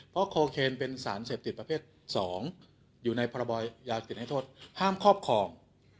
เพราะโคเคนเป็นสารเสพติดประเภท๒อยู่ในพรบอยยาติดให้โทษห้ามครอบครอง